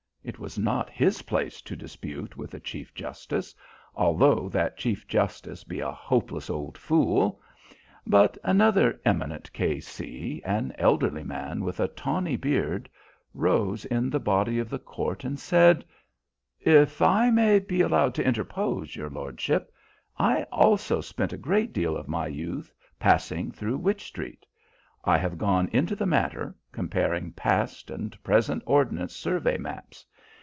It was not his place to dispute with a chief justice, although that chief justice be a hopeless old fool; but another eminent K.C., an elderly man with a tawny beard, rose in the body of the court, and said: "If I may be allowed to interpose, your lordship, I also spent a great deal of my youth passing through Wych Street. I have gone into the matter, comparing past and present ordnance survey maps.